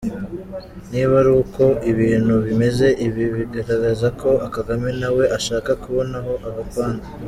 Niba ari uko ibintu bimeze, ibi biragaragaza ko Kagame na we ashaka kubonaho agapande.